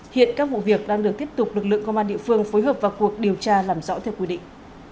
hiện các vụ việc đang được tiếp tục lực lượng công an địa phương phối hợp vào cuộc điều tra làm rõ theo quy định